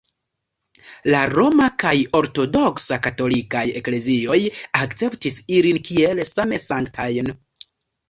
La Roma kaj Ortodoksa katolikaj eklezioj akceptis ilin kiel same sanktajn.